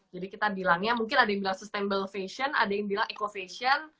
jadi kita bilangnya mungkin ada yang bilang sustainable fashion ada yang bilang eco fashion